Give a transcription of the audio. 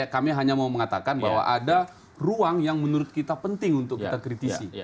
kami hanya mau mengatakan bahwa ada ruang yang menurut kita penting untuk kita kritisi